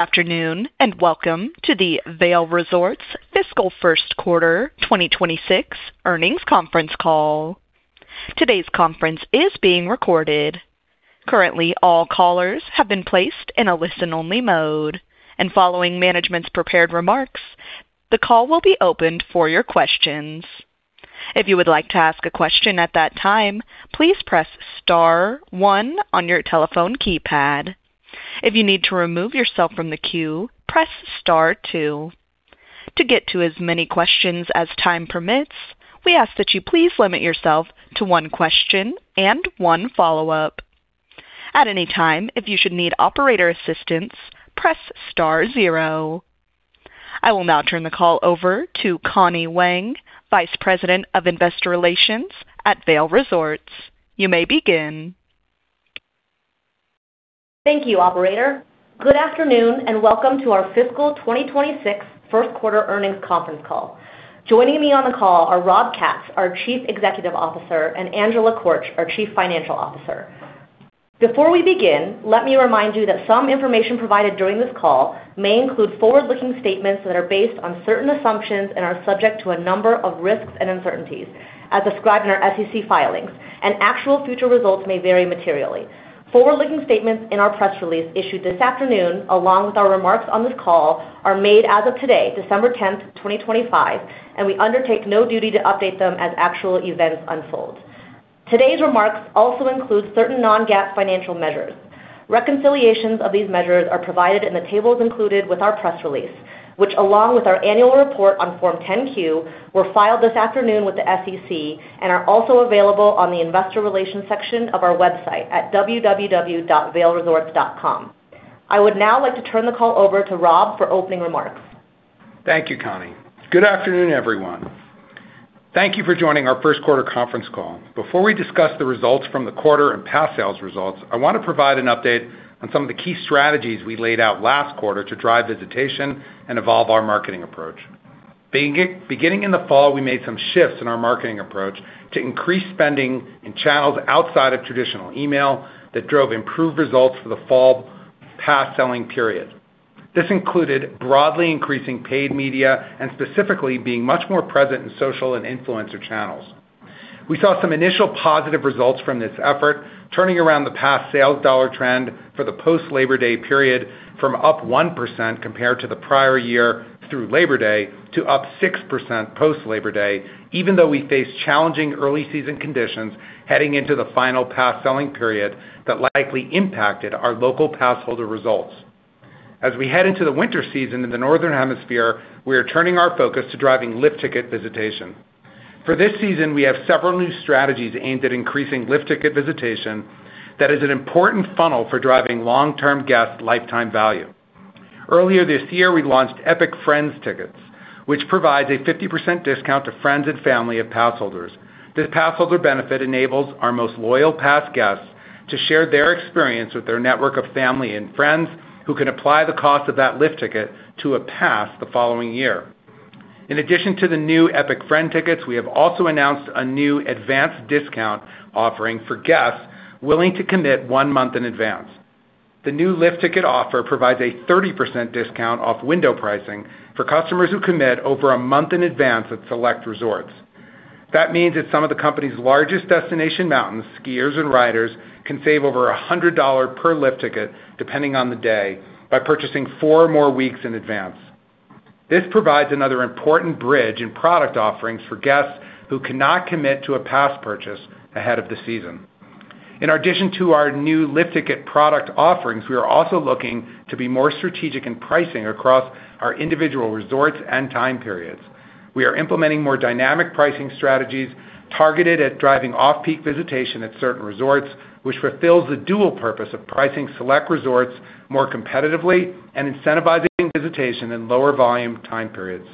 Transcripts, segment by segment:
Afternoon, and welcome to the Vail Resorts Fiscal First Quarter 2026 Earnings Conference Call. Today's conference is being recorded. Currently, all callers have been placed in a listen-only mode, and following management's prepared remarks, the call will be open for your questions. If you would like to ask a question at that time, please press star one on your telephone keypad. If you need to remove yourself from the queue, press star two. To get to as many questions as time permits, we ask that you please limit yourself to one question and one follow-up. At any time, if you should need operator assistance, press star zero. I will now turn the call over to Connie Wang, Vice President of Investor Relations at Vail Resorts. You may begin. Thank you, Operator. Good afternoon, and welcome to our Fiscal 2026 First Quarter earnings conference call. Joining me on the call are Rob Katz, our Chief Executive Officer, and Angela Korch, our Chief Financial Officer. Before we begin, let me remind you that some information provided during this call may include forward-looking statements that are based on certain assumptions and are subject to a number of risks and uncertainties, as described in our SEC filings, and actual future results may vary materially. Forward-looking statements in our press release issued this afternoon, along with our remarks on this call, are made as of today, December 10th, 2025, and we undertake no duty to update them as actual events unfold. Today's remarks also include certain non-GAAP financial measures. Reconciliations of these measures are provided in the tables included with our press release, which, along with our annual report on Form 10-Q, were filed this afternoon with the SEC and are also available on the Investor Relations section of our website at www.vailresorts.com. I would now like to turn the call over to Rob for opening remarks. Thank you, Connie. Good afternoon, everyone. Thank you for joining our first quarter conference call. Before we discuss the results from the quarter and pass sales results, I want to provide an update on some of the key strategies we laid out last quarter to drive visitation and evolve our marketing approach. Beginning in the fall, we made some shifts in our marketing approach to increase spending in channels outside of traditional email that drove improved results for the fall pass selling period. This included broadly increasing paid media and specifically being much more present in social and influencer channels. We saw some initial positive results from this effort, turning around the pass sales dollar trend for the post-Labor Day period from up 1% compared to the prior year through Labor Day to up 6% post-Labor Day, even though we faced challenging early season conditions heading into the final pass selling period that likely impacted our local passholder results. As we head into the winter season in the northern hemisphere, we are turning our focus to driving lift ticket visitation. For this season, we have several new strategies aimed at increasing lift ticket visitation that is an important funnel for driving long-term guest lifetime value. Earlier this year, we launched Epic Friends Tickets, which provides a 50% discount to friends and family of passholders. This passholder benefit enables our most loyal past guests to share their experience with their network of family and friends who can apply the cost of that lift ticket to a pass the following year. In addition to the new Epic Friends Tickets, we have also announced a new advanced discount offering for guests willing to commit one month in advance. The new lift ticket offer provides a 30% discount off window pricing for customers who commit over a month in advance at select resorts. That means that some of the company's largest destination mountains, skiers and riders can save over $100 per lift ticket, depending on the day, by purchasing four more weeks in advance. This provides another important bridge in product offerings for guests who cannot commit to a pass purchase ahead of the season. In addition to our new lift ticket product offerings, we are also looking to be more strategic in pricing across our individual resorts and time periods. We are implementing more dynamic pricing strategies targeted at driving off-peak visitation at certain resorts, which fulfills the dual purpose of pricing select resorts more competitively and incentivizing visitation in lower volume time periods.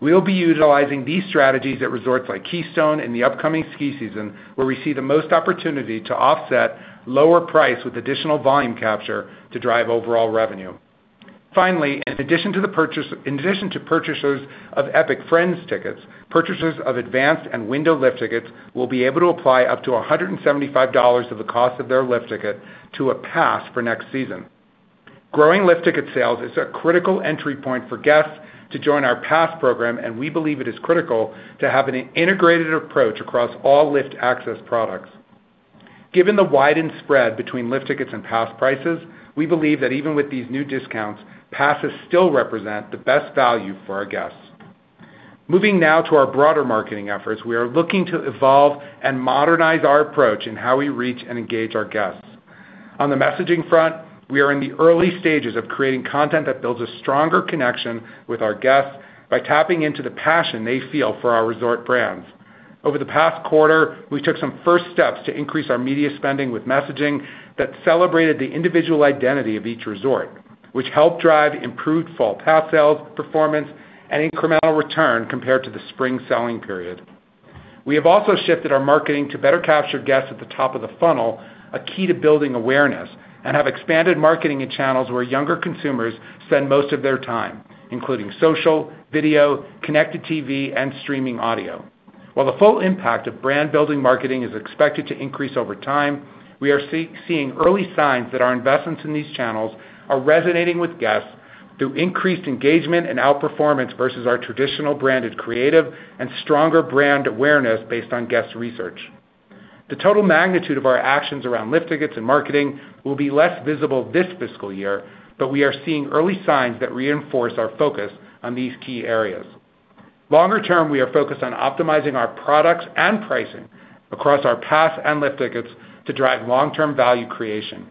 We will be utilizing these strategies at resorts like Keystone in the upcoming ski season, where we see the most opportunity to offset lower price with additional volume capture to drive overall revenue. Finally, in addition to purchasers of Epic Friends Tickets, purchasers of advanced and window lift tickets will be able to apply up to $175 of the cost of their lift ticket to a pass for next season. Growing lift ticket sales is a critical entry point for guests to join our pass program, and we believe it is critical to have an integrated approach across all lift access products. Given the widened spread between lift tickets and pass prices, we believe that even with these new discounts, passes still represent the best value for our guests. Moving now to our broader marketing efforts, we are looking to evolve and modernize our approach in how we reach and engage our guests. On the messaging front, we are in the early stages of creating content that builds a stronger connection with our guests by tapping into the passion they feel for our resort brands. Over the past quarter, we took some first steps to increase our media spending with messaging that celebrated the individual identity of each resort, which helped drive improved fall pass sales, performance, and incremental return compared to the spring selling period. We have also shifted our marketing to better capture guests at the top of the funnel, a key to building awareness, and have expanded marketing and channels where younger consumers spend most of their time, including social, video, connected TV, and streaming audio. While the full impact of brand-building marketing is expected to increase over time, we are seeing early signs that our investments in these channels are resonating with guests through increased engagement and outperformance versus our traditional branded creative and stronger brand awareness based on guest research. The total magnitude of our actions around lift tickets and marketing will be less visible this fiscal year, but we are seeing early signs that reinforce our focus on these key areas. Longer term, we are focused on optimizing our products and pricing across our pass and lift tickets to drive long-term value creation.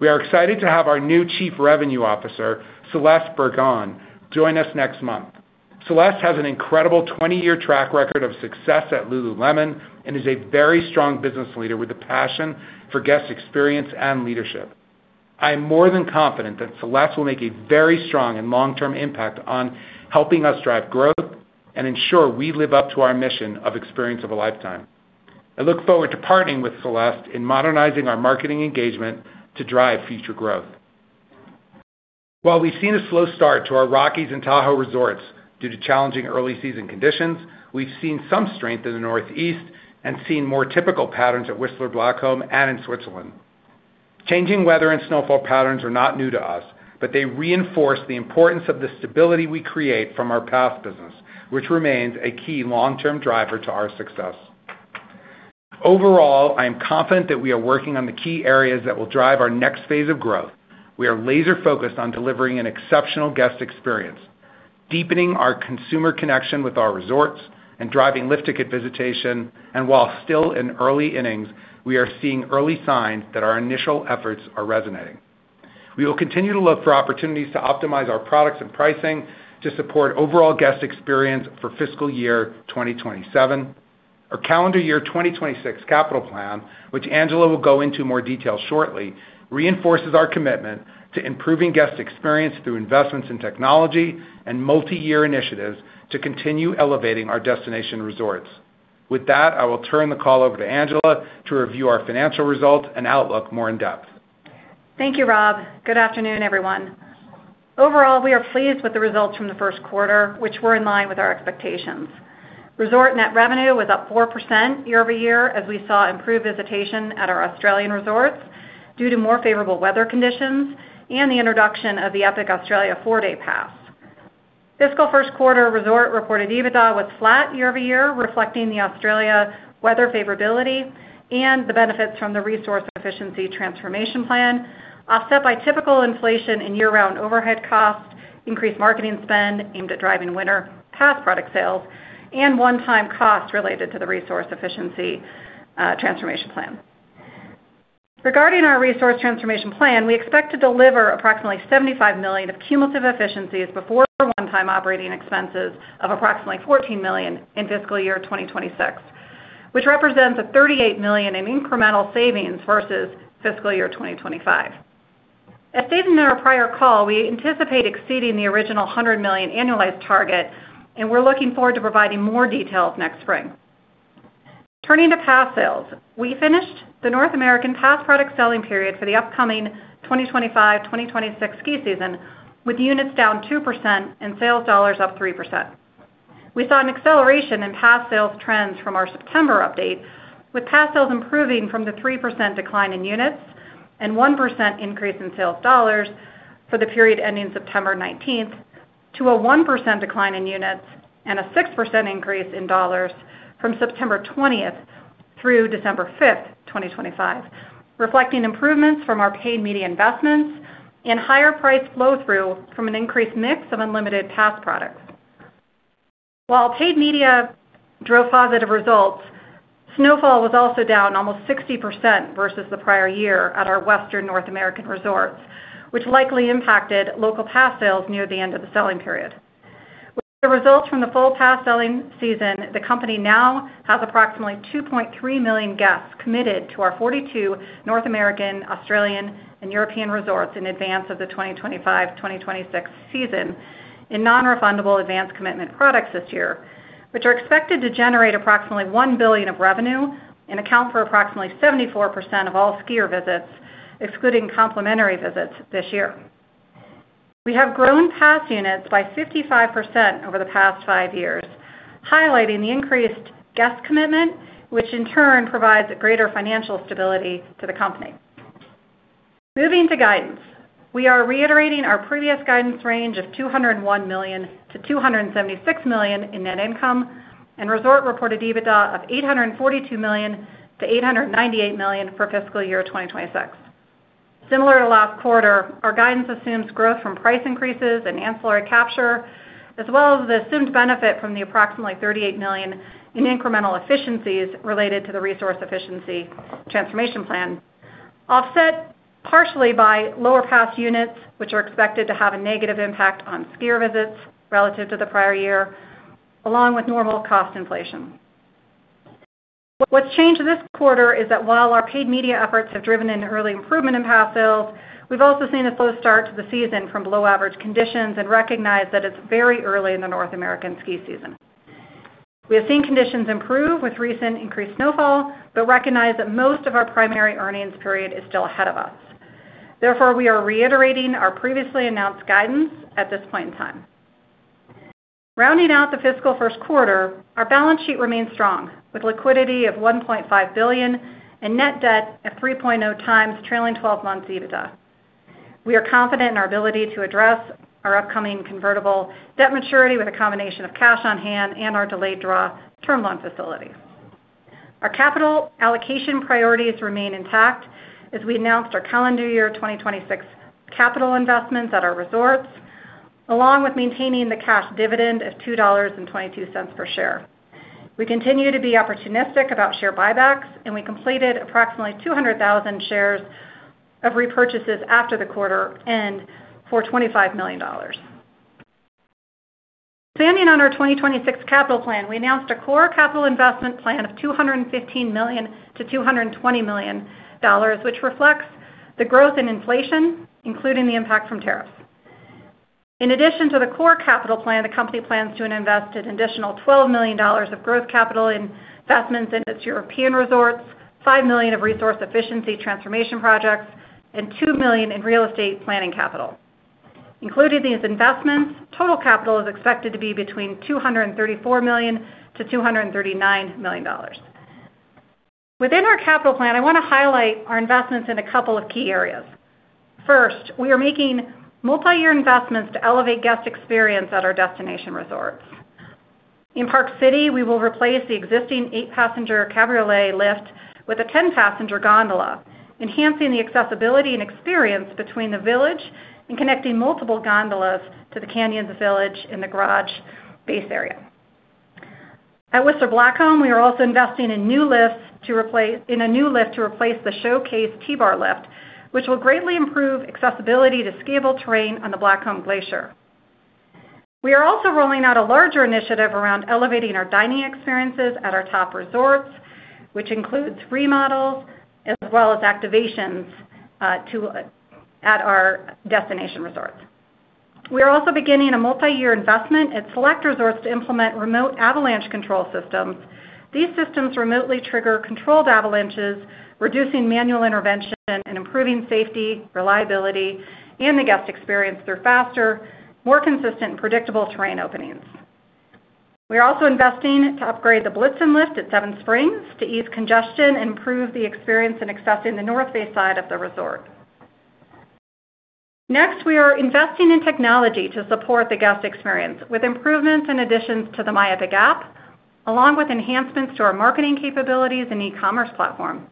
We are excited to have our new Chief Revenue Officer, Celeste Burgoyne, join us next month. Celeste has an incredible 20-year track record of success at Lululemon and is a very strong business leader with a passion for guest experience and leadership. I am more than confident that Celeste will make a very strong and long-term impact on helping us drive growth and ensure we live up to our mission of experience of a lifetime. I look forward to partnering with Celeste in modernizing our marketing engagement to drive future growth. While we've seen a slow start to our Rockies and Tahoe resorts due to challenging early season conditions, we've seen some strength in the Northeast and seen more typical patterns at Whistler Blackcomb and in Switzerland. Changing weather and snowfall patterns are not new to us, but they reinforce the importance of the stability we create from our pass business, which remains a key long-term driver to our success. Overall, I am confident that we are working on the key areas that will drive our next phase of growth. We are laser-focused on delivering an exceptional guest experience, deepening our consumer connection with our resorts and driving lift ticket visitation, and while still in early innings, we are seeing early signs that our initial efforts are resonating. We will continue to look for opportunities to optimize our products and pricing to support overall guest experience for fiscal year 2027. Our calendar year 2026 capital plan, which Angela will go into more detail shortly, reinforces our commitment to improving guest experience through investments in technology and multi-year initiatives to continue elevating our destination resorts. With that, I will turn the call over to Angela to review our financial results and outlook more in depth. Thank you, Rob. Good afternoon, everyone. Overall, we are pleased with the results from the first quarter, which were in line with our expectations. Resort net revenue was up 4% year over year as we saw improved visitation at our Australian resorts due to more favorable weather conditions and the introduction of the Epic Australia 4-Day pass. Fiscal first quarter resort reported EBITDA was flat year over year, reflecting the Australia weather favorability and the benefits from the Resource Efficiency Transformation Plan offset by typical inflation and year-round overhead costs, increased marketing spend aimed at driving winter pass product sales, and one-time costs related to the Resource Efficiency Transformation Plan. Regarding our resource transformation plan, we expect to deliver approximately $75 million of cumulative efficiencies before one-time operating expenses of approximately $14 million in fiscal year 2026, which represents a $38 million in incremental savings versus fiscal year 2025. As stated in our prior call, we anticipate exceeding the original $100 million annualized target, and we're looking forward to providing more details next spring. Turning to pass sales, we finished the North American pass product selling period for the upcoming 2025-2026 ski season with units down 2% and sales dollars up 3%. We saw an acceleration in pass sales trends from our September update, with pass sales improving from the 3% decline in units and 1% increase in sales dollars for the period ending September 19th to a 1% decline in units and a 6% increase in dollars from September 20th through December 5th, 2025, reflecting improvements from our paid media investments and higher price flow-through from an increased mix of unlimited pass products. While paid media drove positive results, snowfall was also down almost 60% versus the prior year at our Western North American resorts, which likely impacted local pass sales near the end of the selling period. With the results from the fall pass selling season, the company now has approximately 2.3 million guests committed to our 42 North American, Australian, and European resorts in advance of the 2025-2026 season in non-refundable advance commitment products this year, which are expected to generate approximately $1 billion of revenue and account for approximately 74% of all skier visits, excluding complimentary visits this year. We have grown pass units by 55% over the past five years, highlighting the increased guest commitment, which in turn provides greater financial stability to the company. Moving to guidance, we are reiterating our previous guidance range of $201-$276 million in net income and resort-reported EBITDA of $842-$898 million for fiscal year 2026. Similar to last quarter, our guidance assumes growth from price increases and ancillary capture, as well as the assumed benefit from the approximately $38 million in incremental efficiencies related to the Resource Efficiency Transformation Plan, offset partially by lower pass units, which are expected to have a negative impact on skier visits relative to the prior year, along with normal cost inflation. What's changed this quarter is that while our paid media efforts have driven an early improvement in pass sales, we've also seen a slow start to the season from below-average conditions and recognize that it's very early in the North American ski season. We have seen conditions improve with recent increased snowfall, but recognize that most of our primary earnings period is still ahead of us. Therefore, we are reiterating our previously announced guidance at this point in time. Rounding out the fiscal first quarter, our balance sheet remains strong with liquidity of $1.5 billion and net debt of 3.0 times trailing 12 months EBITDA. We are confident in our ability to address our upcoming convertible debt maturity with a combination of cash on hand and our delayed draw term loan facility. Our capital allocation priorities remain intact as we announced our calendar year 2026 capital investments at our resorts, along with maintaining the cash dividend of $2.22 per share. We continue to be opportunistic about share buybacks, and we completed approximately 200,000 shares of repurchases after the quarter end for $25 million. Expanding on our 2026 capital plan, we announced a core capital investment plan of $215-$220 million, which reflects the growth in inflation, including the impact from tariffs. In addition to the core capital plan, the company plans to invest an additional $12 million of growth capital investments in its European resorts, $5 million of resource efficiency transformation projects, and $2 million in real estate planning capital. Including these investments, total capital is expected to be between $234-$239 million. Within our capital plan, I want to highlight our investments in a couple of key areas. First, we are making multi-year investments to elevate guest experience at our destination resorts. In Park City, we will replace the existing eight-passenger Cabriolet Lift with a 10-passenger gondola, enhancing the accessibility and experience between the village and connecting multiple gondolas to the Canyons Village in the garage base area. At Whistler Blackcomb, we are also investing in a new lift to replace the Showcase T-Bar Lift, which will greatly improve accessibility to scalable terrain on the Blackcomb Glacier. We are also rolling out a larger initiative around elevating our dining experiences at our top resorts, which includes remodels as well as activations at our destination resorts. We are also beginning a multi-year investment at Select Resorts to implement remote avalanche control systems. These systems remotely trigger controlled avalanches, reducing manual intervention and improving safety, reliability, and the guest experience through faster, more consistent, and predictable terrain openings. We are also investing to upgrade the Blitzen Lift at Seven Springs to ease congestion and improve the experience in accessing the north face side of the resort. Next, we are investing in technology to support the guest experience with improvements and additions to the My Epic app, along with enhancements to our marketing capabilities and e-commerce platform.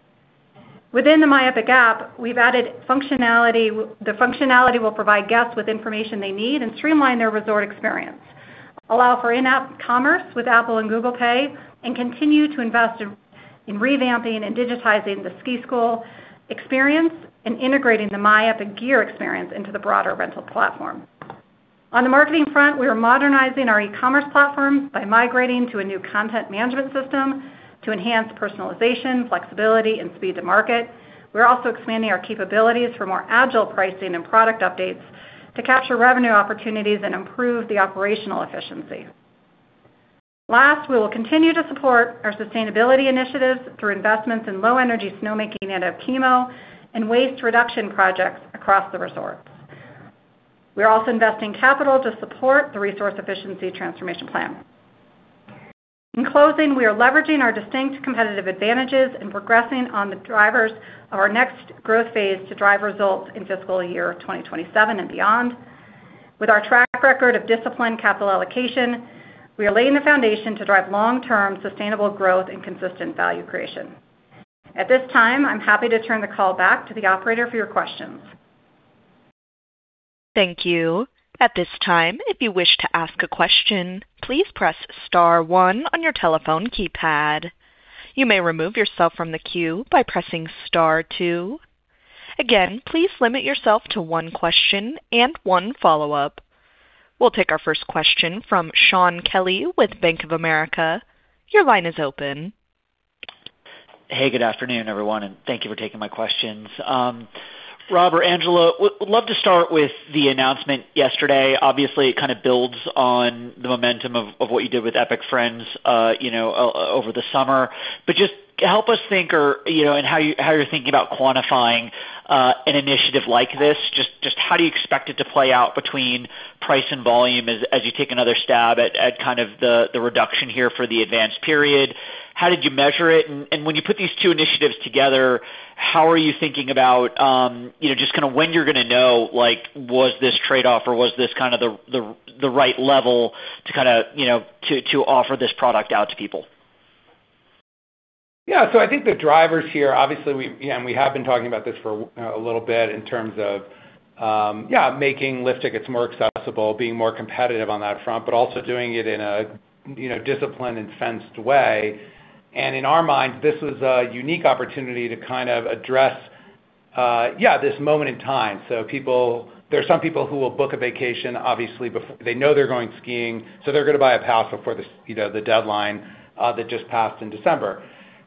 Within the My Epic app, we've added functionality. The functionality will provide guests with information they need and streamline their resort experience, allow for in-app commerce with Apple Pay and Google Pay, and continue to invest in revamping and digitizing the ski school experience and integrating the My Epic Gear experience into the broader rental platform. On the marketing front, we are modernizing our e-commerce platform by migrating to a new content management system to enhance personalization, flexibility, and speed to market. We're also expanding our capabilities for more agile pricing and product updates to capture revenue opportunities and improve the operational efficiency. Last, we will continue to support our sustainability initiatives through investments in low-energy snowmaking and chemical and waste reduction projects across the resorts. We are also investing capital to support the Resource Efficiency Transformation Plan. In closing, we are leveraging our distinct competitive advantages and progressing on the drivers of our next growth phase to drive results in fiscal year 2027 and beyond. With our track record of disciplined capital allocation, we are laying the foundation to drive long-term sustainable growth and consistent value creation. At this time, I'm happy to turn the call back to the operator for your questions. Thank you. At this time, if you wish to ask a question, please press star one on your telephone keypad. You may remove yourself from the queue by pressing star two. Again, please limit yourself to one question and one follow-up. We'll take our first question from Shaun Kelley with Bank of America. Your line is open. Hey, good afternoon, everyone, and thank you for taking my questions. Rob and Angela, would love to start with the announcement yesterday. Obviously, it kind of builds on the momentum of what you did with Epic Friends over the summer. But just help us think in how you're thinking about quantifying an initiative like this. Just how do you expect it to play out between price and volume as you take another stab at kind of the reduction here for the advanced period? How did you measure it? And when you put these two initiatives together, how are you thinking about just kind of when you're going to know, was this trade-off or was this kind of the right level to kind of offer this product out to people? Yeah, so I think the drivers here, obviously, and we have been talking about this for a little bit in terms of, yeah, making lift tickets more accessible, being more competitive on that front, but also doing it in a disciplined and fenced way, and in our minds, this was a unique opportunity to kind of address, yeah, this moment in time, so there are some people who will book a vacation, obviously. They know they're going skiing, so they're going to buy a pass before the deadline that just passed in December,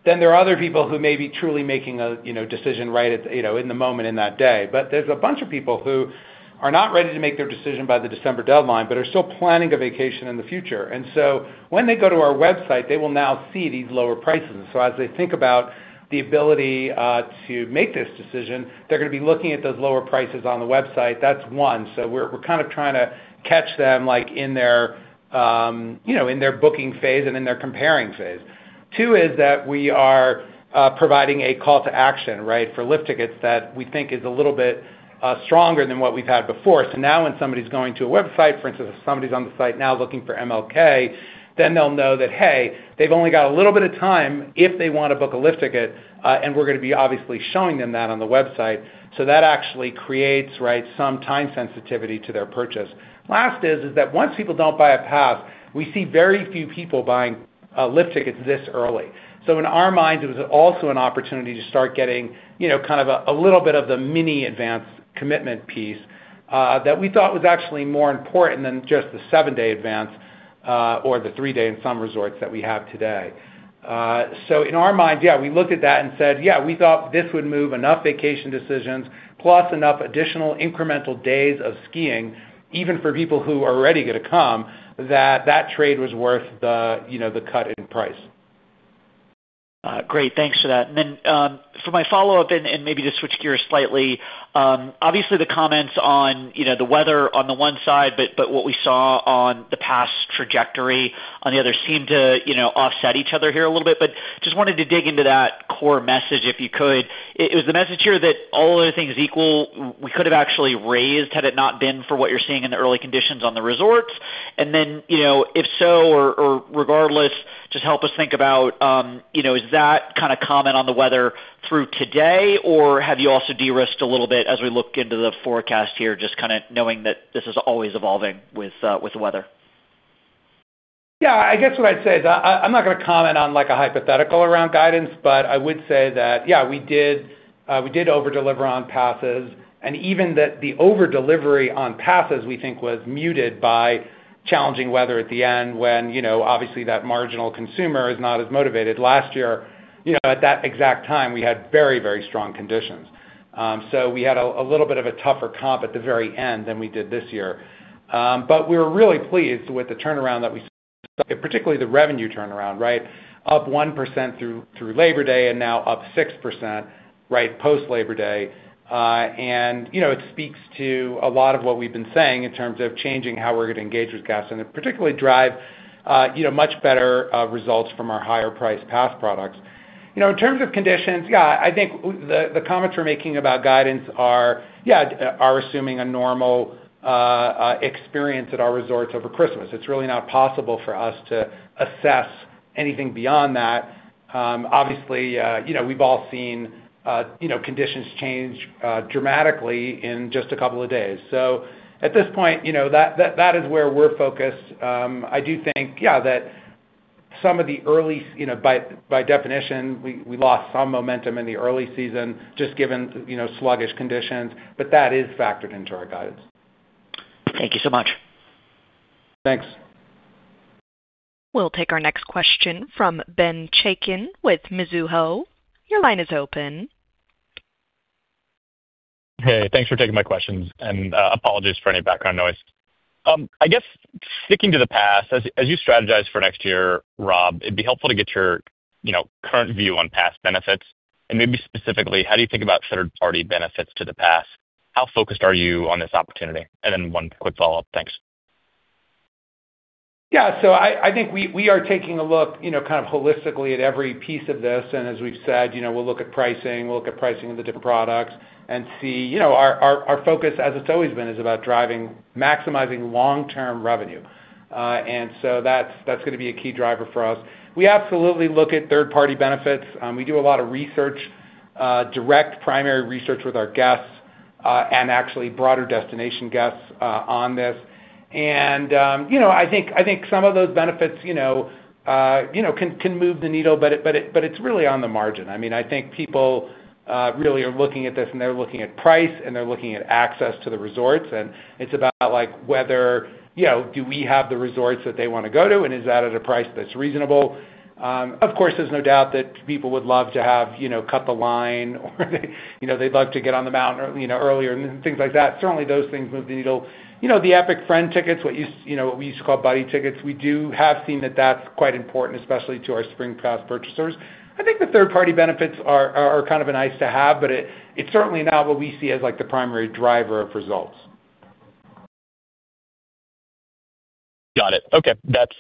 then there are other people who may be truly making a decision right in the moment in that day, but there's a bunch of people who are not ready to make their decision by the December deadline but are still planning a vacation in the future. And so when they go to our website, they will now see these lower prices. And so as they think about the ability to make this decision, they're going to be looking at those lower prices on the website. That's one. So we're kind of trying to catch them in their booking phase and in their comparing phase. Two is that we are providing a call to action, right, for lift tickets that we think is a little bit stronger than what we've had before. So now when somebody's going to a website, for instance, if somebody's on the site now looking for MLK, then they'll know that, hey, they've only got a little bit of time if they want to book a lift ticket, and we're going to be obviously showing them that on the website. So that actually creates some time sensitivity to their purchase. Last is that once people don't buy a pass, we see very few people buying lift tickets this early, so in our minds, it was also an opportunity to start getting kind of a little bit of the mini advance commitment piece that we thought was actually more important than just the seven-day advance or the three-day in some resorts that we have today, so in our minds, yeah, we looked at that and said, yeah, we thought this would move enough vacation decisions plus enough additional incremental days of skiing, even for people who are already going to come, that that trade was worth the cut in price. Great. Thanks for that. And then for my follow-up and maybe to switch gears slightly, obviously, the comments on the weather on the one side, but what we saw on the pass trajectory on the other seemed to offset each other here a little bit. But just wanted to dig into that core message if you could. It was the message here that all other things equal, we could have actually raised had it not been for what you're seeing in the early conditions on the resorts. And then if so, or regardless, just help us think about, is that kind of comment on the weather through today, or have you also de-risked a little bit as we look into the forecast here, just kind of knowing that this is always evolving with the weather? Yeah. I guess what I'd say is I'm not going to comment on a hypothetical around guidance, but I would say that, yeah, we did over-deliver on passes, and even the over-delivery on passes we think was muted by challenging weather at the end when, obviously, that marginal consumer is not as motivated. Last year, at that exact time, we had very, very strong conditions, so we had a little bit of a tougher comp at the very end than we did this year, but we were really pleased with the turnaround that we saw, particularly the revenue turnaround, right, up 1% through Labor Day and now up 6%, right, post-Labor Day, and it speaks to a lot of what we've been saying in terms of changing how we're going to engage with guests and particularly drive much better results from our higher-priced pass products. In terms of conditions, yeah, I think the comments we're making about guidance are assuming a normal experience at our resorts over Christmas. It's really not possible for us to assess anything beyond that. Obviously, we've all seen conditions change dramatically in just a couple of days, so at this point, that is where we're focused. I do think, yeah, that some of the early, by definition, we lost some momentum in the early season just given sluggish conditions, but that is factored into our guidance. Thank you so much. Thanks. We'll take our next question from Ben Chaiken with Mizuho. Your line is open. Hey, thanks for taking my questions and apologies for any background noise. I guess sticking to the pass, as you strategize for next year, Rob, it'd be helpful to get your current view on pass benefits. And maybe specifically, how do you think about third-party benefits to the pass? How focused are you on this opportunity? And then one quick follow-up. Thanks. Yeah. So I think we are taking a look kind of holistically at every piece of this. And as we've said, we'll look at pricing. We'll look at pricing of the different products and see our focus, as it's always been, is about driving maximizing long-term revenue. And so that's going to be a key driver for us. We absolutely look at third-party benefits. We do a lot of research, direct primary research with our guests and actually broader destination guests on this. And I think some of those benefits can move the needle, but it's really on the margin. I mean, I think people really are looking at this and they're looking at price and they're looking at access to the resorts. And it's about whether do we have the resorts that they want to go to and is that at a price that's reasonable? Of course, there's no doubt that people would love to have cut the line or they'd love to get on the mountain earlier and things like that. Certainly, those things move the needle. The Epic Friends Tickets, what we used to call buddy tickets, we do have seen that that's quite important, especially to our spring pass purchasers. I think the third-party benefits are kind of a nice to have, but it's certainly not what we see as the primary driver of results. Got it. Okay. That's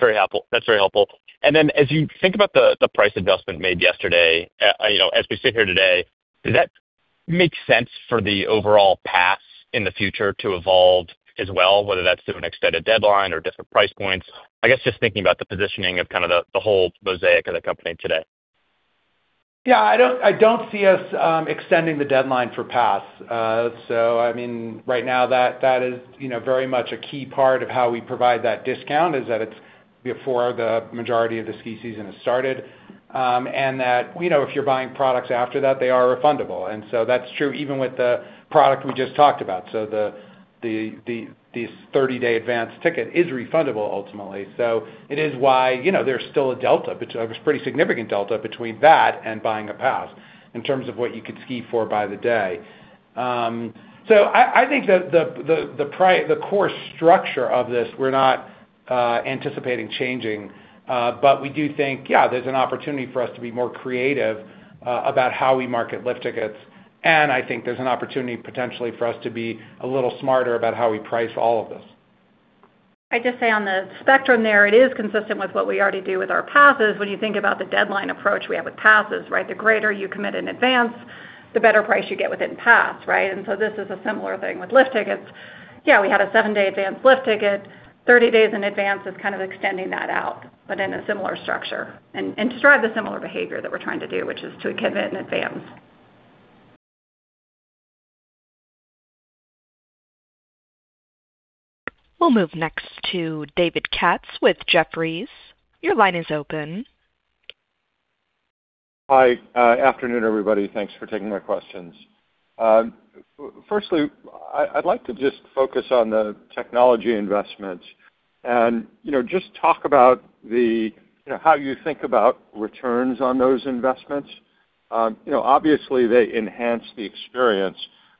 very helpful. That's very helpful. And then as you think about the price adjustment made yesterday, as we sit here today, does that make sense for the overall pass in the future to evolve as well, whether that's through an extended deadline or different price points? I guess just thinking about the positioning of kind of the whole mosaic of the company today. Yeah. I don't see us extending the deadline for pass. So I mean, right now, that is very much a key part of how we provide that discount is that it's before the majority of the ski season has started and that if you're buying products after that, they are refundable. And so that's true even with the product we just talked about. So the 30-day advance ticket is refundable ultimately. So it is why there's still a delta, a pretty significant delta between that and buying a pass in terms of what you could ski for by the day. So I think that the core structure of this, we're not anticipating changing, but we do think, yeah, there's an opportunity for us to be more creative about how we market lift tickets. I think there's an opportunity potentially for us to be a little smarter about how we price all of this. I'd just say on the spectrum there, it is consistent with what we already do with our passes. When you think about the deadline approach we have with passes, right, the greater you commit in advance, the better price you get within pass, right? And so this is a similar thing with lift tickets. Yeah, we had a seven-day advance lift ticket. 30 days in advance is kind of extending that out, but in a similar structure and to drive the similar behavior that we're trying to do, which is to commit in advance. We'll move next to David Katz with Jefferies. Your line is open. Hi. Afternoon, everybody. Thanks for taking my questions. Firstly, I'd like to just focus on the technology investments and just talk about how you think about returns on those investments. Obviously, they enhance the experience,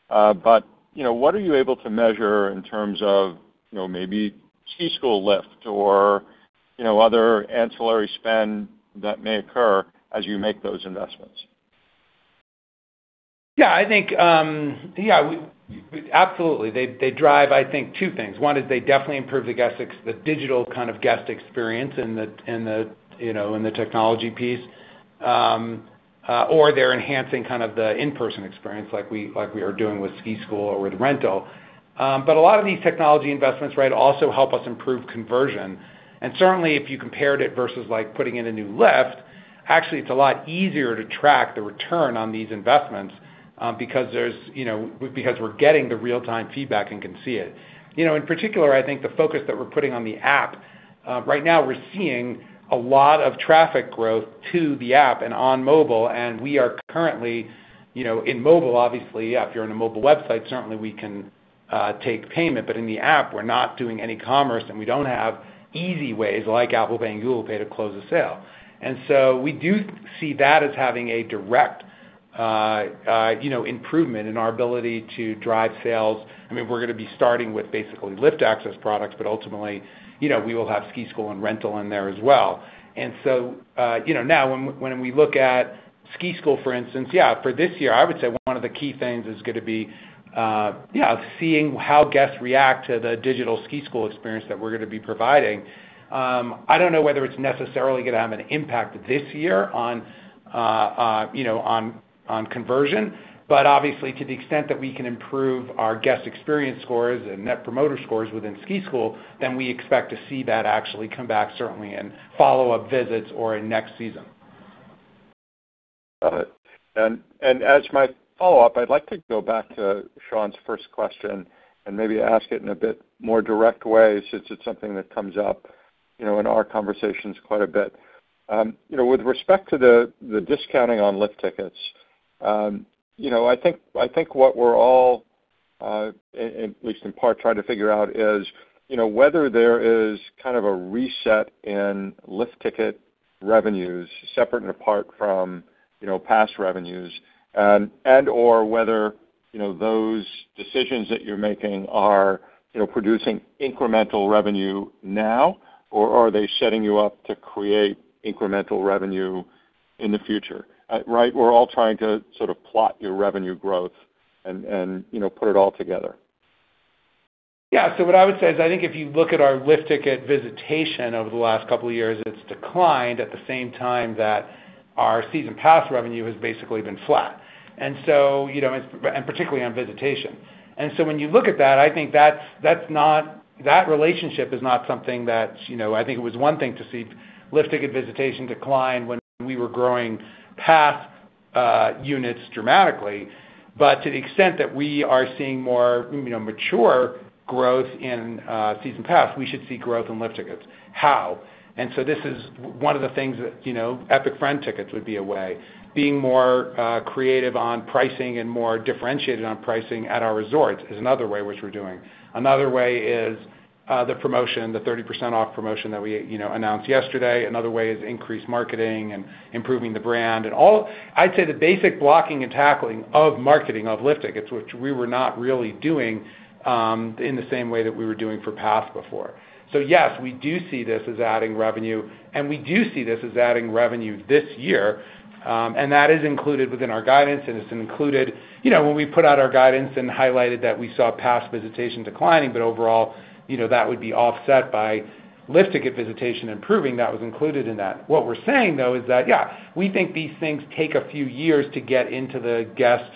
but what are you able to measure in terms of maybe ski school lift or other ancillary spend that may occur as you make those investments? Yeah. I think, yeah, absolutely. They drive, I think, two things. One is they definitely improve the digital kind of guest experience and the technology piece, or they're enhancing kind of the in-person experience like we are doing with ski school or with rental. But a lot of these technology investments, right, also help us improve conversion. And certainly, if you compared it versus putting in a new lift, actually, it's a lot easier to track the return on these investments because we're getting the real-time feedback and can see it. In particular, I think the focus that we're putting on the app, right now, we're seeing a lot of traffic growth to the app and on mobile. And we are currently in mobile, obviously. If you're on a mobile website, certainly, we can take payment. but in the app, we're not doing any commerce, and we don't have easy ways like Apple Pay and Google Pay to close a sale, and so we do see that as having a direct improvement in our ability to drive sales, I mean, we're going to be starting with basically lift access products, but ultimately, we will have ski school and rental in there as well, and so now, when we look at ski school, for instance, for this year, I would say one of the key things is going to be seeing how guests react to the digital ski school experience that we're going to be providing. I don't know whether it's necessarily going to have an impact this year on conversion, but obviously, to the extent that we can improve our guest experience scores and Net Promoter Scores within ski school, then we expect to see that actually come back, certainly, in follow-up visits or in next season. Got it. And as my follow-up, I'd like to go back to Shaun's first question and maybe ask it in a bit more direct way since it's something that comes up in our conversations quite a bit. With respect to the discounting on lift tickets, I think what we're all, at least in part, trying to figure out is whether there is kind of a reset in lift ticket revenues separate and apart from pass revenues and/or whether those decisions that you're making are producing incremental revenue now, or are they setting you up to create incremental revenue in the future, right? We're all trying to sort of plot your revenue growth and put it all together. Yeah. So what I would say is I think if you look at our lift ticket visitation over the last couple of years, it's declined at the same time that our season pass revenue has basically been flat, and particularly on visitation. And so when you look at that, I think that relationship is not something that I think it was one thing to see lift ticket visitation decline when we were growing pass units dramatically. But to the extent that we are seeing more mature growth in season pass, we should see growth in lift tickets. How? And so this is one of the things that Epic Friends tickets would be a way. Being more creative on pricing and more differentiated on pricing at our resorts is another way which we're doing. Another way is the promotion, the 30% off promotion that we announced yesterday. Another way is increased marketing and improving the brand, and I'd say the basic blocking and tackling of marketing of lift tickets, which we were not really doing in the same way that we were doing for pass before, so yes, we do see this as adding revenue, and we do see this as adding revenue this year, and that is included within our guidance, and it's included when we put out our guidance and highlighted that we saw pass visitation declining, but overall, that would be offset by lift ticket visitation improving. That was included in that. What we're saying, though, is that, yeah, we think these things take a few years to get into the guest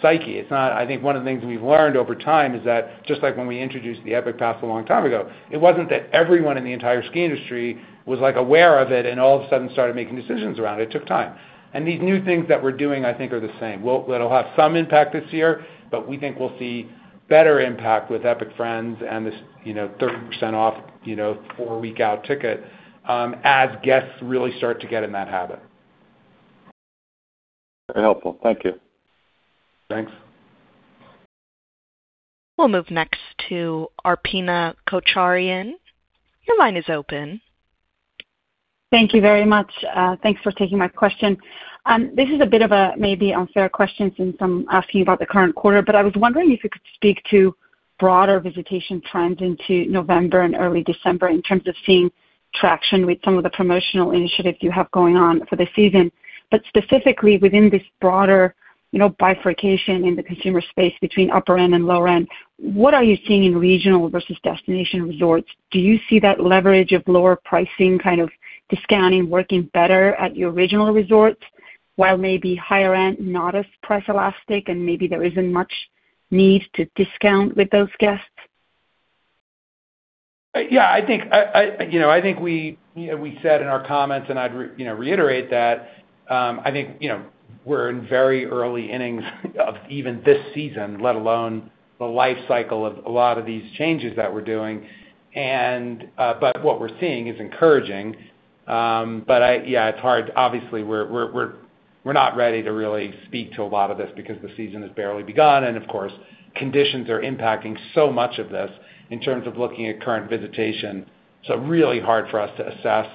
psyche. I think one of the things we've learned over time is that just like when we introduced the Epic Pass a long time ago, it wasn't that everyone in the entire ski industry was aware of it and all of a sudden started making decisions around it. It took time, and these new things that we're doing, I think, are the same. It'll have some impact this year, but we think we'll see better impact with Epic Friends and this 30% off four-week-out ticket as guests really start to get in that habit. Very helpful. Thank you. Thanks. We'll move next to Arpine Kocharian. Your line is open. Thank you very much. Thanks for taking my question. This is a bit of a maybe unfair question since I'm asking about the current quarter, but I was wondering if you could speak to broader visitation trends into November and early December in terms of seeing traction with some of the promotional initiatives you have going on for the season, but specifically within this broader bifurcation in the consumer space between upper-end and lower-end, what are you seeing in regional versus destination resorts? Do you see that leverage of lower pricing kind of discounting working better at your regional resorts while maybe higher-end not as price elastic and maybe there isn't much need to discount with those guests? Yeah. I think we said in our comments, and I'd reiterate that I think we're in very early innings of even this season, let alone the lifecycle of a lot of these changes that we're doing, but what we're seeing is encouraging, but yeah, it's hard. Obviously, we're not ready to really speak to a lot of this because the season has barely begun, and of course, conditions are impacting so much of this in terms of looking at current visitation, so really hard for us to assess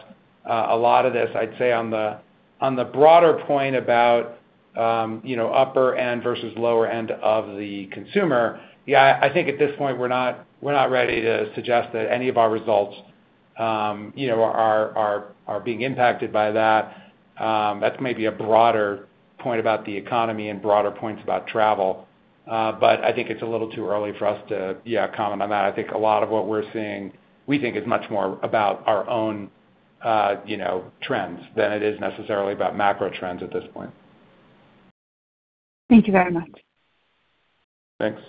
a lot of this. I'd say on the broader point about upper-end versus lower-end of the consumer, yeah, I think at this point, we're not ready to suggest that any of our results are being impacted by that. That's maybe a broader point about the economy and broader points about travel. But I think it's a little too early for us to, yeah, comment on that. I think a lot of what we're seeing, we think, is much more about our own trends than it is necessarily about macro trends at this point. Thank you very much. Thanks.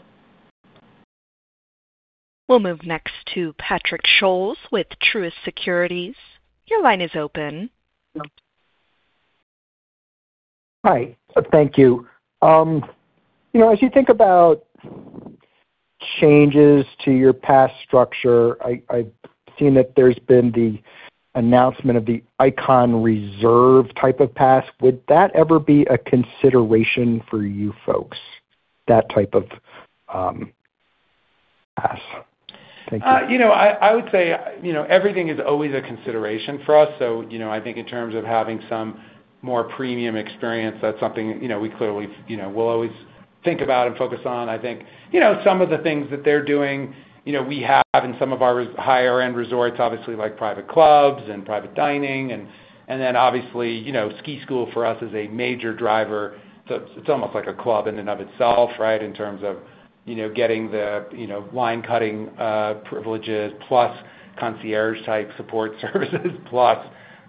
We'll move next to Patrick Scholes with Truist Securities. Your line is open. Hi. Thank you. As you think about changes to your pass structure, I've seen that there's been the announcement of the ICON reserve type of pass. Would that ever be a consideration for you folks, that type of pass? Thank you. I would say everything is always a consideration for us. So I think in terms of having some more premium experience, that's something we clearly will always think about and focus on. I think some of the things that they're doing, we have in some of our higher-end resorts, obviously, like private clubs and private dining. And then obviously, ski school for us is a major driver. It's almost like a club in and of itself, right, in terms of getting the line-cutting privileges plus concierge-type support services plus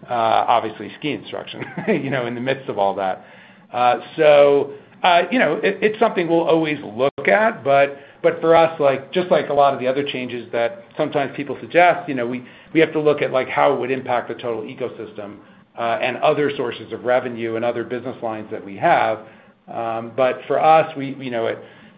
obviously ski instruction in the midst of all that. So it's something we'll always look at. But for us, just like a lot of the other changes that sometimes people suggest, we have to look at how it would impact the total ecosystem and other sources of revenue and other business lines that we have. But for us,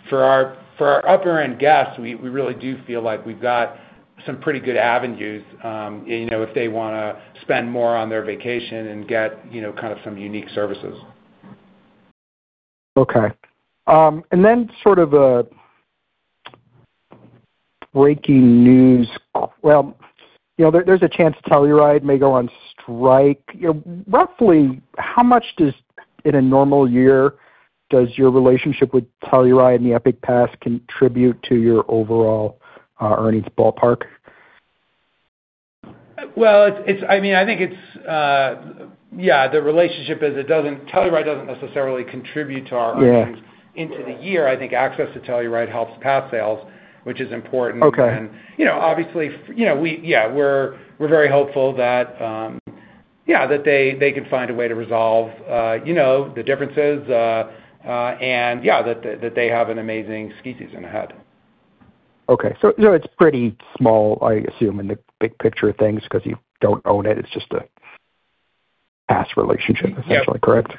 for our upper-end guests, we really do feel like we've got some pretty good avenues if they want to spend more on their vacation and get kind of some unique services. Okay. And then, sort of a breaking news. Well, there's a chance Telluride may go on strike. Roughly, how much in a normal year does your relationship with Telluride and the Epic Pass contribute to your overall earnings ballpark? I mean, I think it's, yeah, the relationship is Telluride doesn't necessarily contribute to our earnings into the year. I think access to Telluride helps pass sales, which is important. Obviously, yeah, we're very hopeful that, yeah, they can find a way to resolve the differences and, yeah, that they have an amazing ski season ahead. Okay. So it's pretty small, I assume, in the big picture of things because you don't own it. It's just a pass relationship, essentially, correct?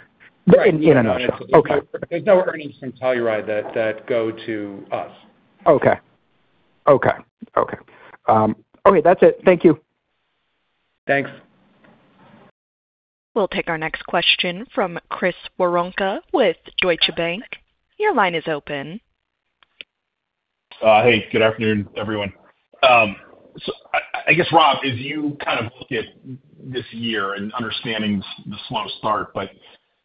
Yes. In a nutshell. There's no earnings from Telluride that go to us. Okay. That's it. Thank you. Thanks. We'll take our next question from Chris Woronka with Deutsche Bank. Your line is open. Hey, good afternoon, everyone. So I guess, Rob, as you kind of look at this year and understanding the slow start, but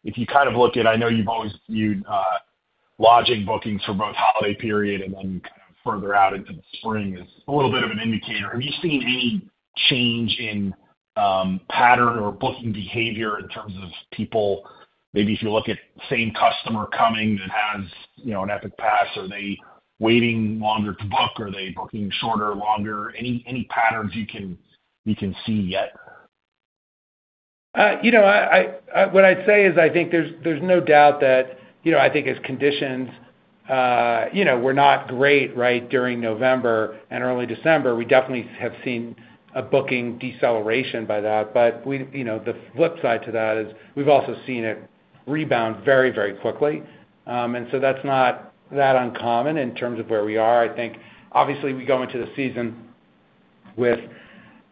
if you kind of look at, I know you've always viewed lodging bookings for both holiday period and then kind of further out into the spring as a little bit of an indicator. Have you seen any change in pattern or booking behavior in terms of people, maybe if you look at same customer coming that has an Epic Pass, are they waiting longer to book or are they booking shorter, longer? Any patterns you can see yet? What I'd say is, I think there's no doubt that I think as conditions were not great, right, during November and early December, we definitely have seen a booking deceleration by that. But the flip side to that is we've also seen it rebound very, very quickly. And so that's not that uncommon in terms of where we are. I think, obviously, we go into the season with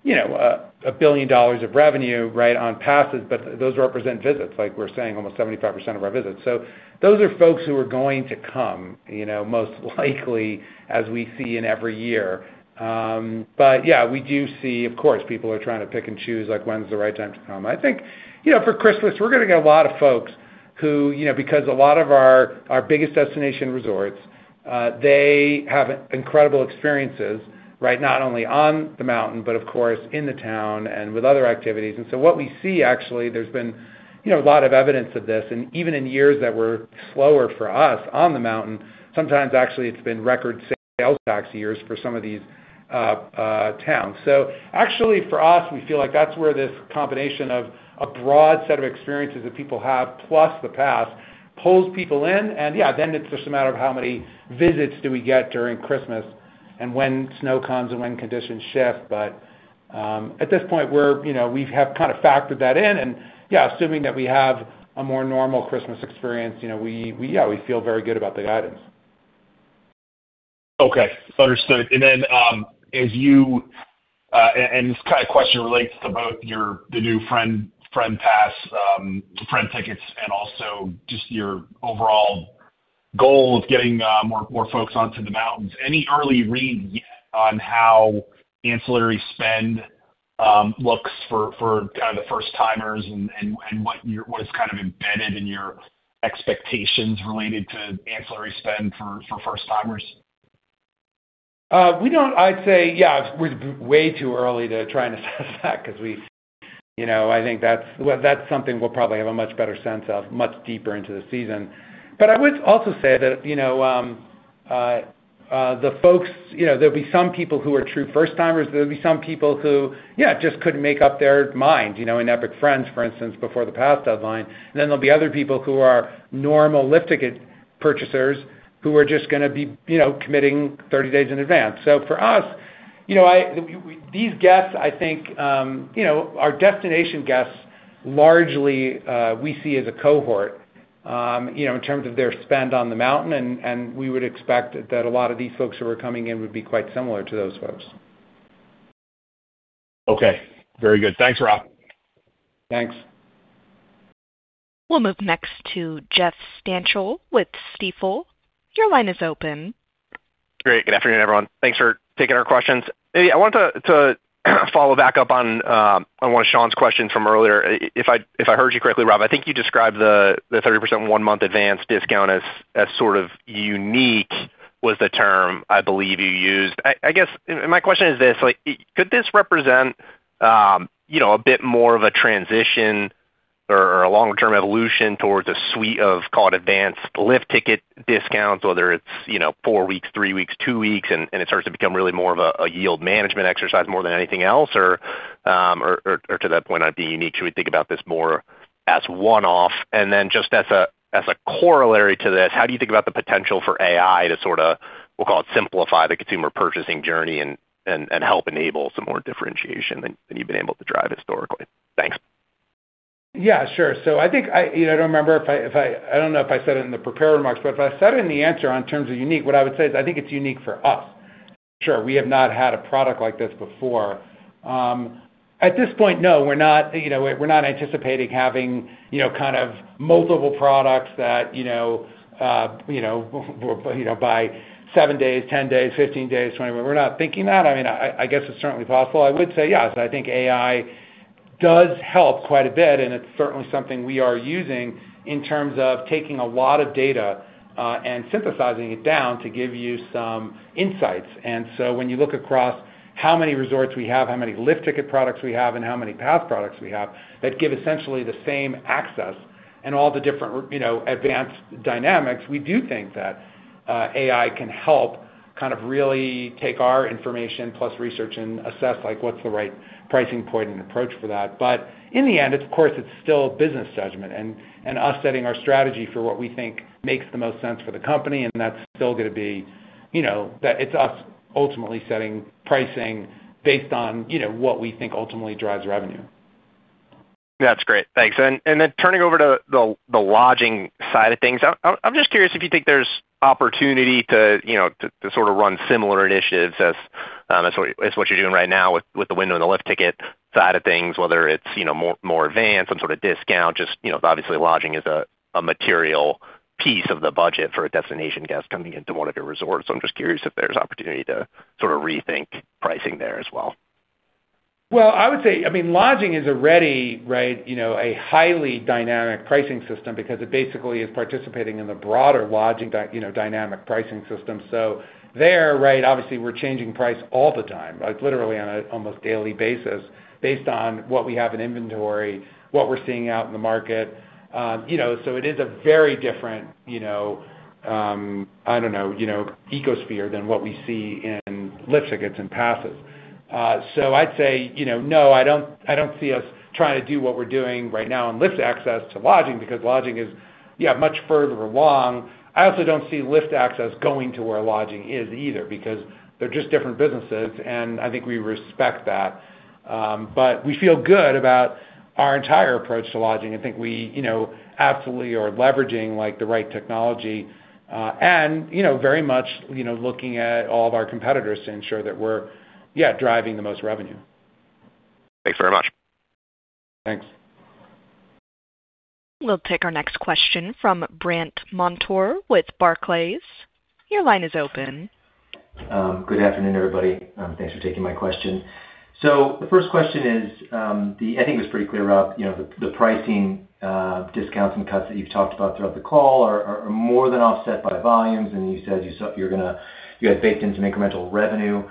$1 billion of revenue, right, on passes, but those represent visits. Like we're saying, almost 75% of our visits. So those are folks who are going to come most likely, as we see in every year. But yeah, we do see, of course, people are trying to pick and choose when's the right time to come. I think for Christmas, we're going to get a lot of folks who, because a lot of our biggest destination resorts, they have incredible experiences, right, not only on the mountain, but of course, in the town and with other activities. And so what we see, actually, there's been a lot of evidence of this. And even in years that were slower for us on the mountain, sometimes actually it's been record sales tax years for some of these towns. So actually, for us, we feel like that's where this combination of a broad set of experiences that people have plus the pass pulls people in. And yeah, then it's just a matter of how many visits do we get during Christmas and when snow comes and when conditions shift. But at this point, we have kind of factored that in. And yeah, assuming that we have a more normal Christmas experience, yeah, we feel very good about the guidance. Okay. Understood. And then as you and this kind of question relates to both the new Friend Pass, Friend tickets, and also just your overall goal of getting more folks onto the mountains. Any early read on how ancillary spend looks for kind of the first-timers and what is kind of embedded in your expectations related to ancillary spend for first-timers? I'd say, yeah, we're way too early to try and assess that because I think that's something we'll probably have a much better sense of much deeper into the season, but I would also say that the folks, there'll be some people who are true first-timers. There'll be some people who, yeah, just couldn't make up their mind. In Epic Friends, for instance, before the pass deadline, and then there'll be other people who are normal lift ticket purchasers who are just going to be committing 30 days in advance, so for us, these guests, I think our destination guests, largely we see as a cohort in terms of their spend on the mountain, and we would expect that a lot of these folks who are coming in would be quite similar to those folks. Okay. Very good. Thanks, Rob. Thanks. We'll move next to Jeff Stantial with Stifel. Your line is open. Great. Good afternoon, everyone. Thanks for taking our questions. I wanted to follow back up on one of Shaun's questions from earlier. If I heard you correctly, Rob, I think you described the 30% one-month advance discount as sort of unique, was the term I believe you used. I guess my question is this. Could this represent a bit more of a transition or a longer-term evolution towards a suite of, call it, advanced lift ticket discounts, whether it's four weeks, three weeks, two weeks, and it starts to become really more of a yield management exercise more than anything else? Or, to that point, is it unique should we think about this more as one-off? And then just as a corollary to this, how do you think about the potential for AI to sort of, we'll call it, simplify the consumer purchasing journey and help enable some more differentiation than you've been able to drive historically? Thanks. Yeah, sure. So I think I don't remember. I don't know if I said it in the prepared remarks, but if I said it in the answer in terms of unique, what I would say is I think it's unique for us. Sure. We have not had a product like this before. At this point, no, we're not anticipating having kind of multiple products that we'll buy seven days, 10 days, 15 days, 20 days. We're not thinking that. I mean, I guess it's certainly possible. I would say, yes, I think AI does help quite a bit, and it's certainly something we are using in terms of taking a lot of data and synthesizing it down to give you some insights. And so when you look across how many resorts we have, how many lift ticket products we have, and how many pass products we have that give essentially the same access and all the different advanced dynamics, we do think that AI can help kind of really take our information plus research and assess what's the right pricing point and approach for that. But in the end, of course, it's still business judgment and us setting our strategy for what we think makes the most sense for the company. And that's still going to be that it's us ultimately setting pricing based on what we think ultimately drives revenue. That's great. Thanks, and then turning over to the lodging side of things. I'm just curious if you think there's opportunity to sort of run similar initiatives as what you're doing right now with the window and the lift ticket side of things, whether it's more advanced, some sort of discount. Just, obviously, lodging is a material piece of the budget for a destination guest coming into one of your resorts, so I'm just curious if there's opportunity to sort of rethink pricing there as well? I would say, I mean, lodging is already, right, a highly dynamic pricing system because it basically is participating in the broader lodging dynamic pricing system. So there, right, obviously, we're changing price all the time, literally on an almost daily basis based on what we have in inventory, what we're seeing out in the market. So it is a very different, I don't know, ecosystem than what we see in lift tickets and passes. So I'd say, no, I don't see us trying to do what we're doing right now in lift access to lodging because lodging is, yeah, much further along. I also don't see lift access going to where lodging is either because they're just different businesses. And I think we respect that. But we feel good about our entire approach to lodging. I think we absolutely are leveraging the right technology and very much looking at all of our competitors to ensure that we're, yeah, driving the most revenue. Thanks very much. Thanks. We'll take our next question from Brandt Montour with Barclays. Your line is open. Good afternoon, everybody. Thanks for taking my question. So the first question is, I think it was pretty clear, Rob, the pricing discounts and cuts that you've talked about throughout the call are more than offset by volumes. And you said you're going to get baked into incremental revenue for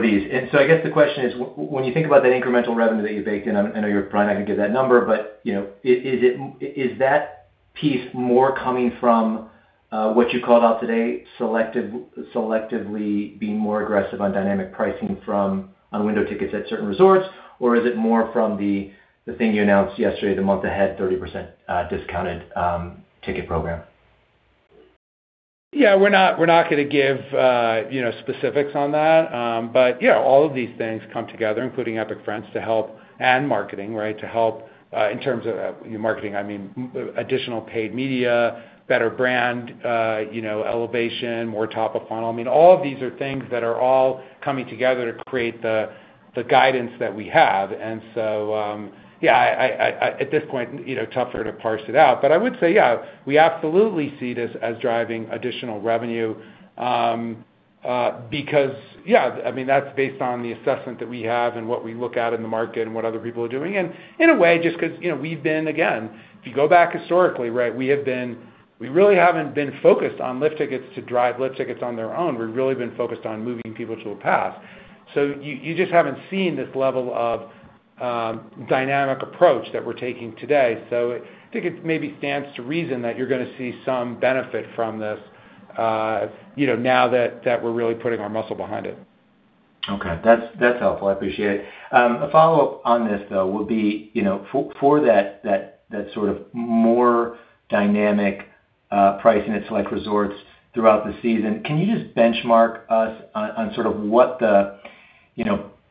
these. And so I guess the question is, when you think about that incremental revenue that you've baked in, I know you're probably not going to give that number, but is that piece more coming from what you called out today, selectively being more aggressive on dynamic pricing on window tickets at certain resorts, or is it more from the thing you announced yesterday, the month ahead 30% discounted ticket program? Yeah, we're not going to give specifics on that. But yeah, all of these things come together, including Epic Friends to help and marketing, right, to help in terms of marketing. I mean, additional paid media, better brand elevation, more top of funnel. I mean, all of these are things that are all coming together to create the guidance that we have. And so, yeah, at this point, tougher to parse it out. But I would say, yeah, we absolutely see this as driving additional revenue because, yeah, I mean, that's based on the assessment that we have and what we look at in the market and what other people are doing. And in a way, just because we've been, again, if you go back historically, right, we really haven't been focused on lift tickets to drive lift tickets on their own. We've really been focused on moving people to a pass. So you just haven't seen this level of dynamic approach that we're taking today. So I think it maybe stands to reason that you're going to see some benefit from this now that we're really putting our muscle behind it. Okay. That's helpful. I appreciate it. A follow-up on this, though, will be for that sort of more dynamic pricing at select resorts throughout the season. Can you just benchmark us on sort of what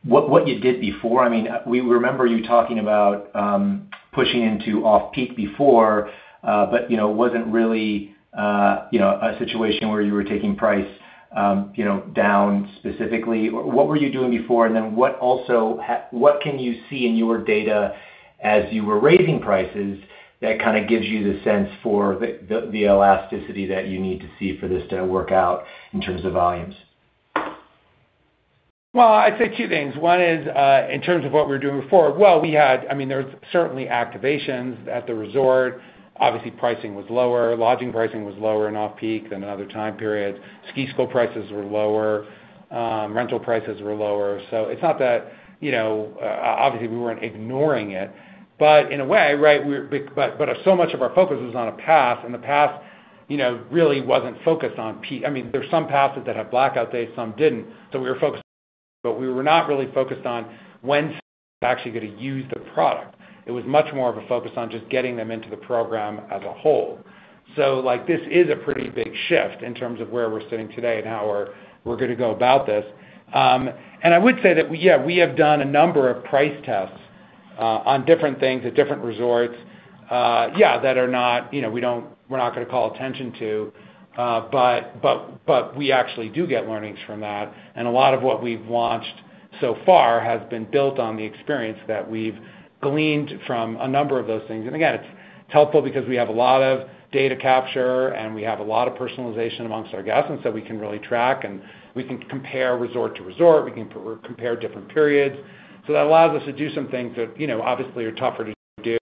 you did before? I mean, we remember you talking about pushing into off-peak before, but it wasn't really a situation where you were taking price down specifically. What were you doing before? And then what can you see in your data as you were raising prices that kind of gives you the sense for the elasticity that you need to see for this to work out in terms of volumes? I'd say two things. One is in terms of what we were doing before, well, we had, I mean, there were certainly activations at the resort. Obviously, pricing was lower. Lodging pricing was lower in off-peak than in other time periods. Ski school prices were lower. Rental prices were lower. So it's not that, obviously, we weren't ignoring it, but in a way, right, but so much of our focus was on a pass, and the pass really wasn't focused on peak. I mean, there were some passes that had blackout days, some didn't, so we were focused, but we were not really focused on when actually going to use the product. It was much more of a focus on just getting them into the program as a whole. So this is a pretty big shift in terms of where we're sitting today and how we're going to go about this. And I would say that, yeah, we have done a number of price tests on different things at different resorts, yeah, that we're not going to call attention to. But we actually do get learnings from that. And a lot of what we've launched so far has been built on the experience that we've gleaned from a number of those things. And again, it's helpful because we have a lot of data capture and we have a lot of personalization amongst our guests. And so we can really track and we can compare resort to resort. We can compare different periods. So that allows us to do some things that obviously are tougher to do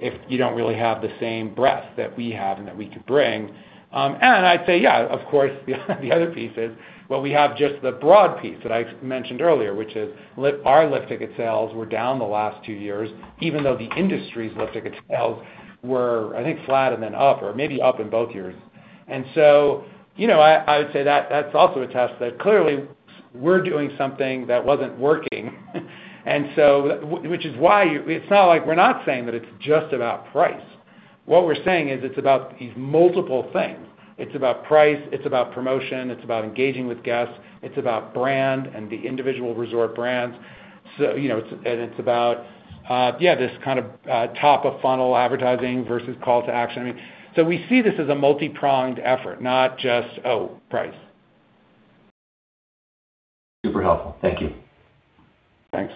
if you don't really have the same breadth that we have and that we can bring, and I'd say, yeah, of course, the other piece is, well, we have just the broad piece that I mentioned earlier, which is our lift ticket sales were down the last two years, even though the industry's lift ticket sales were, I think, flat and then up, or maybe up in both years, and so I would say that's also a test that clearly we're doing something that wasn't working, and so, which is why it's not like we're not saying that it's just about price. What we're saying is it's about these multiple things. It's about price. It's about promotion. It's about engaging with guests. It's about brand and the individual resort brands. And it's about, yeah, this kind of top of funnel advertising versus call to action. I mean, so we see this as a multi-pronged effort, not just, oh, price. Super helpful. Thank you. Thanks.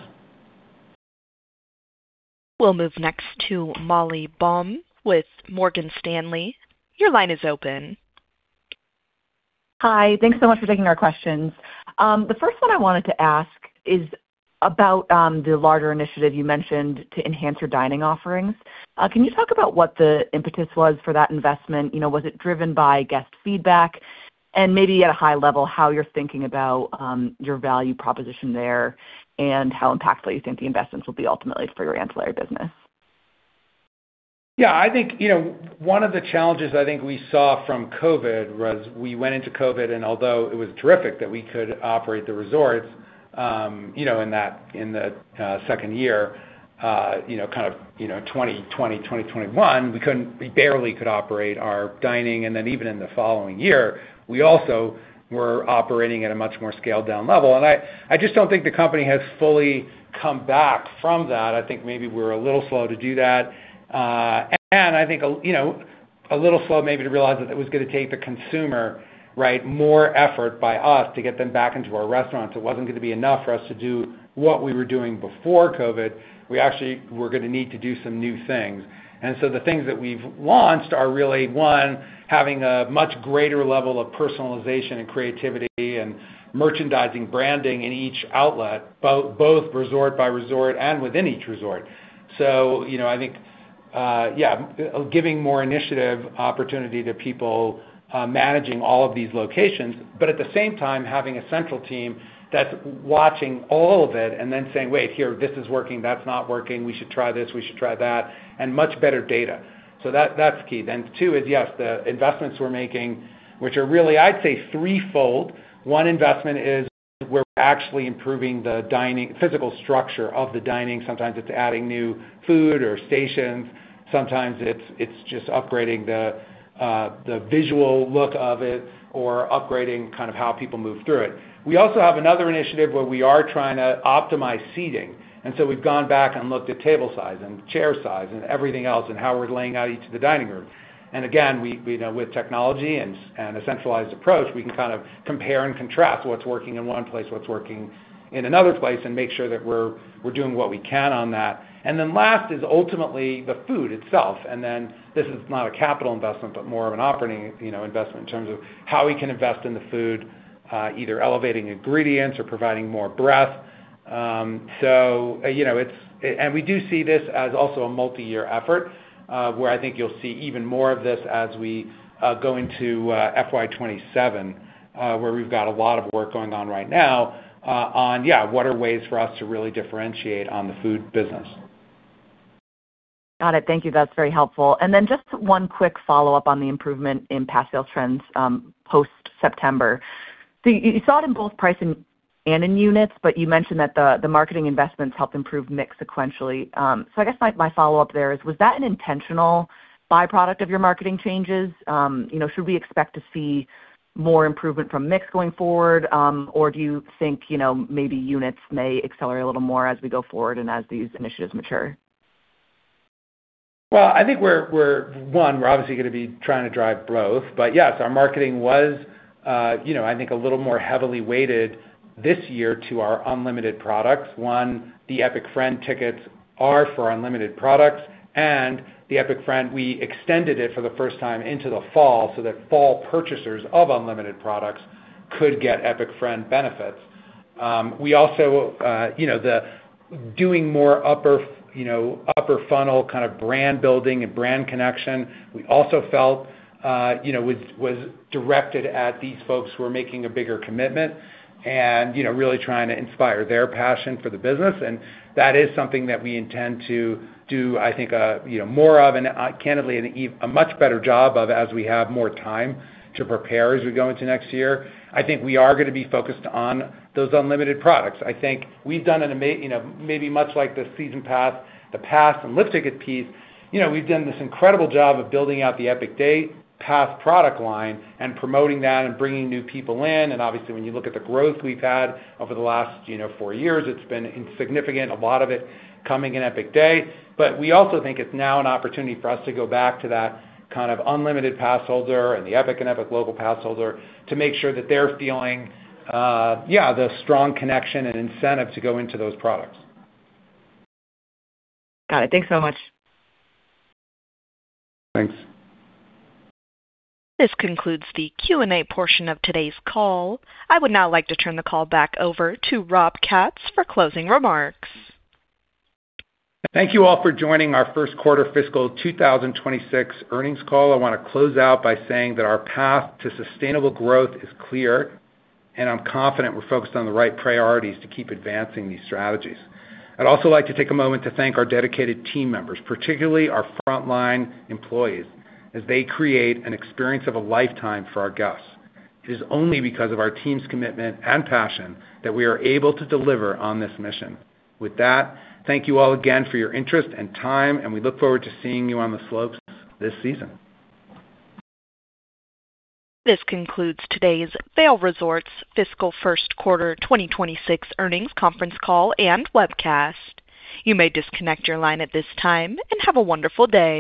We'll move next to Molly Baum with Morgan Stanley. Your line is open. Hi. Thanks so much for taking our questions. The first one I wanted to ask is about the larger initiative you mentioned to enhance your dining offerings. Can you talk about what the impetus was for that investment? Was it driven by guest feedback? And maybe at a high level, how you're thinking about your value proposition there and how impactful you think the investments will be ultimately for your ancillary business? Yeah. I think one of the challenges we saw from COVID was we went into COVID, and although it was terrific that we could operate the resorts in the second year, kind of 2020, 2021, we barely could operate our dining, and then even in the following year, we also were operating at a much more scaled-down level, and I just don't think the company has fully come back from that. I think maybe we're a little slow to do that, and I think a little slow maybe to realize that it was going to take the consumer, right, more effort by us to get them back into our restaurants. It wasn't going to be enough for us to do what we were doing before COVID. We actually were going to need to do some new things. And so the things that we've launched are really, one, having a much greater level of personalization and creativity and merchandising branding in each outlet, both resort by resort and within each resort. So I think, yeah, giving more initiative opportunity to people managing all of these locations, but at the same time, having a central team that's watching all of it and then saying, "Wait, here, this is working. That's not working. We should try this. We should try that." And much better data. So that's key. Then two is, yes, the investments we're making, which are really, I'd say, threefold. One investment is we're actually improving the physical structure of the dining. Sometimes it's adding new food or stations. Sometimes it's just upgrading the visual look of it or upgrading kind of how people move through it. We also have another initiative where we are trying to optimize seating. And so we've gone back and looked at table size and chair size and everything else and how we're laying out each of the dining rooms. And again, with technology and a centralized approach, we can kind of compare and contrast what's working in one place, what's working in another place, and make sure that we're doing what we can on that. And then last is ultimately the food itself. And then this is not a capital investment, but more of an operating investment in terms of how we can invest in the food, either elevating ingredients or providing more breadth. We do see this as also a multi-year effort where I think you'll see even more of this as we go into FY27, where we've got a lot of work going on right now on, yeah, what are ways for us to really differentiate on the food business. Got it. Thank you. That's very helpful and then just one quick follow-up on the improvement in pass sales trends post-September, so you saw it in both pricing and in units, but you mentioned that the marketing investments helped improve mix sequentially, so I guess my follow-up there is, was that an intentional byproduct of your marketing changes? Should we expect to see more improvement from mix going forward, or do you think maybe units may accelerate a little more as we go forward and as these initiatives mature? Well, I think, one, we're obviously going to be trying to drive growth. But yes, our marketing was, I think, a little more heavily weighted this year to our unlimited products. One, the Epic Friends tickets are for unlimited products. And the Epic Friends, we extended it for the first time into the fall so that fall purchasers of unlimited products could get Epic Friends benefits. We also doing more upper funnel kind of brand building and brand connection, we also felt was directed at these folks who are making a bigger commitment and really trying to inspire their passion for the business. And that is something that we intend to do, I think, more of, and candidly, a much better job of as we have more time to prepare as we go into next year. I think we are going to be focused on those unlimited products. I think we've done an amazing maybe much like the season pass and lift ticket piece. We've done this incredible job of building out the Epic Day Pass product line and promoting that and bringing new people in. And obviously, when you look at the growth we've had over the last four years, it's been significant, a lot of it coming in Epic Day. But we also think it's now an opportunity for us to go back to that kind of unlimited pass holder and the Epic and Epic Local Pass holder to make sure that they're feeling, yeah, the strong connection and incentive to go into those products. Got it. Thanks so much. Thanks. This concludes the Q&A portion of today's call. I would now like to turn the call back over to Rob Katz for closing remarks. Thank you all for joining our first quarter fiscal 2026 earnings call. I want to close out by saying that our path to sustainable growth is clear, and I'm confident we're focused on the right priorities to keep advancing these strategies. I'd also like to take a moment to thank our dedicated team members, particularly our frontline employees, as they create an experience of a lifetime for our guests. It is only because of our team's commitment and passion that we are able to deliver on this mission. With that, thank you all again for your interest and time, and we look forward to seeing you on the slopes this season. This concludes today's Vail Resorts Fiscal First Quarter 2026 Earnings Conference Call and Webcast. You may disconnect your line at this time and have a wonderful day.